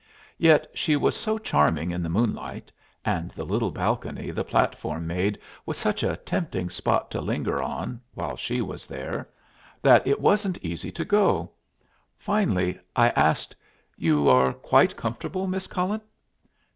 Yet she was so charming in the moonlight, and the little balcony the platform made was such a tempting spot to linger on, while she was there, that it wasn't easy to go. Finally I asked, "You are quite comfortable, Miss Cullen?"